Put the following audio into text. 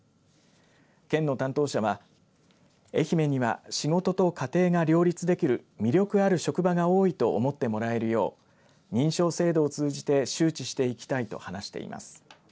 県の担当者は愛媛には仕事と家庭が両立できる魅力ある職場が多いと思ってもらえるよう認証制度を通じて周知していきたいと話しています。